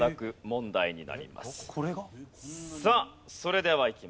さあそれではいきます。